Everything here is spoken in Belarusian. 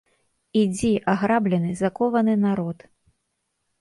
Ідзі, аграблены, закованы народ!